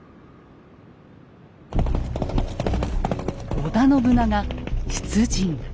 織田信長出陣。